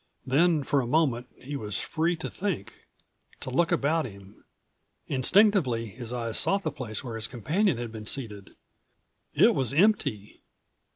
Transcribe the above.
Then, for a moment, he was free to think, to look about him. Instinctively his eyes sought the place where his companion had been seated. It was empty.